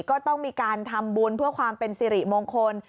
ก็ต้องมีการทำบุญเพื่อความเป็นสิริมงคล